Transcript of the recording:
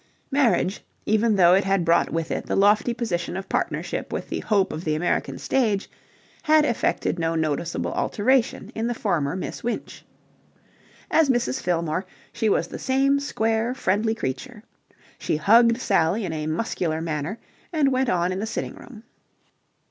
Marriage, even though it had brought with it the lofty position of partnership with the Hope of the American Stage, had effected no noticeable alteration in the former Miss Winch. As Mrs. Fillmore she was the same square, friendly creature. She hugged Sally in a muscular manner and went on in the sitting room.